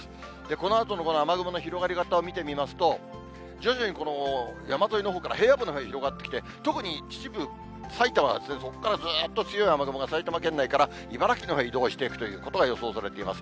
このあとのこの雨雲の広がり方を見てみますと、徐々に山沿いのほうから平野部のほうへ広がってきて、特に秩父、埼玉ですね、そこからずっと強い雨雲が埼玉県内から茨城のほうに移動していくということが予想されています。